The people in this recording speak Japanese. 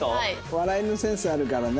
笑いのセンスあるからな。